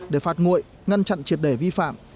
để phạt nguội ngăn chặn triệt đề vi phạm